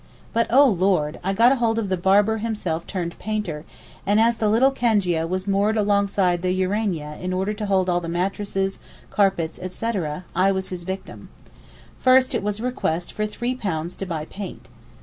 But oh Lord! I got hold of the Barber himself turned painter; and as the little cangia was moored alongside the Urania in order to hold all the mattresses, carpets, etc. I was his victim. First, it was a request for 'three pounds to buy paint.